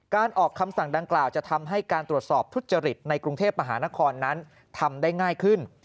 ออกคำสั่งดังกล่าวจะทำให้การตรวจสอบทุจริตในกรุงเทพมหานครนั้นทำได้ง่ายขึ้น